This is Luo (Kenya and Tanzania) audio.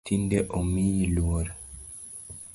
Tinde omiyi luor .